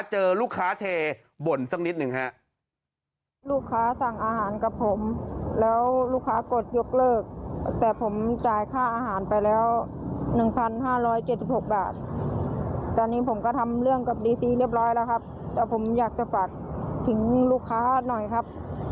เจอลูกค้าเทบ่นสักนิดหนึ่งฮะ